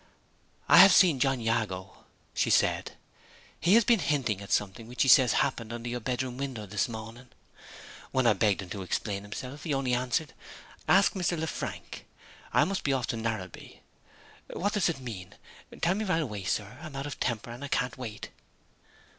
"I have seen John Jago," she said. "He has been hinting at something which he says happened under your bedroom window this morning. When I begged him to explain himself, he only answered, 'Ask Mr. Lefrank; I must be off to Narrabee.' What does it mean? Tell me right away, sir! I'm out of temper, and I can't wait!"